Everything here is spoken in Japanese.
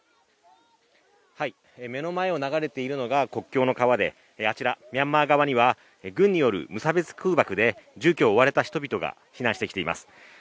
目の前を流れているのが国境の川であちら、ミャンマー側には軍による無差別空爆で住居を追われた人々が避難してきています。